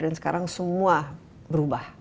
dan sekarang semua berubah